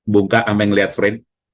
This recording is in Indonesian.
buka sampai ngelihat frame